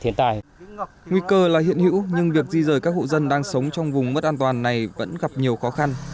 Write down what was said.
nguy cơ là hiện hữu nhưng việc di rời các hộ dân đang sống trong vùng mất an toàn này vẫn gặp nhiều khó khăn